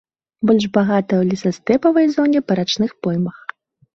Больш багатая ў лесастэпавай зоне, па рачных поймах.